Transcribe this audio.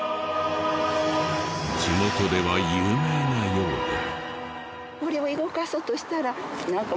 地元では有名なようで。